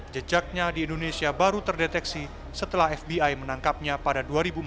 jejaknya di indonesia baru terdeteksi setelah fbi menangkapnya pada dua ribu empat belas